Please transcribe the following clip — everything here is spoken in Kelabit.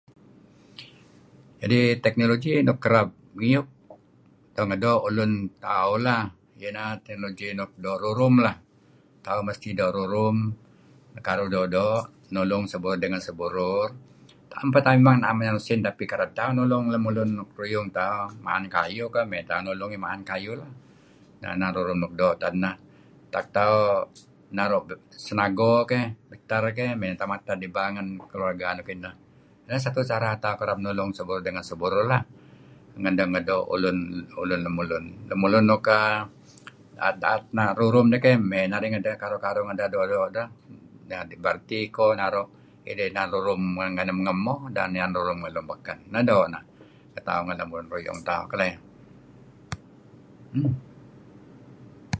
kadi technology nuk kereb miuk ngedo ulun tauh leh ineh technology do' rurm tauh mesti do rurum nekaruh do'-do' nulung seburur ngen seburur naam tauh memang naam usin tapi kereb tauh nulung lun nuk ruyung tauh ma'an kayuh ke' nulung ieh ma'an kayuh naru rurum neh tad neh tak tauh naru senago ke' biter ke' me' neh tauh mated ibal ngen keluarga nuk kineh neh satu cara tauh kereb nulung seburur ngen seburur ngedo ulun lemulun-lemulun nuk um daet-daet rurum ke' me' narih ngedeh karuh do'-do' deh nererti iko naru ideh inan rurum ngemoh inan rurm ngemoh inan rurum lun beken neh nuk do neh ngen tauh lun ruyung keleh